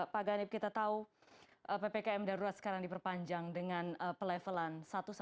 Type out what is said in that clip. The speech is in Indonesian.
pak ganip kita tahu ppkm darurat sekarang diperpanjang dengan pelevelan satu satu